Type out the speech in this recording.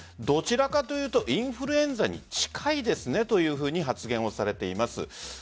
どちらかというとインフルエンザに近いですねというふうに発言をされています。